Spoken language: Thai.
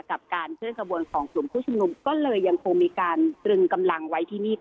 กับการเคลื่อนขบวนของกลุ่มผู้ชุมนุมก็เลยยังคงมีการตรึงกำลังไว้ที่นี่